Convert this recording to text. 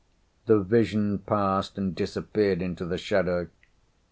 The vision passed and disappeared into the shadow.